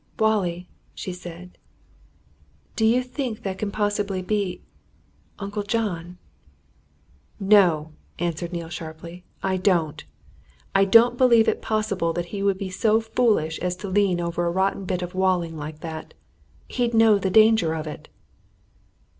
"Wallie!" she said, "do you think that can possibly be Uncle John?" "No!" answered Neale sharply, "I don't! I don't believe it possible that he would be so foolish as to lean over a rotten bit of walling like that he'd know the danger of it."